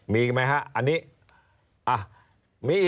มีอีกมั้ยฮะอันนี้